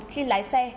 khi lái xe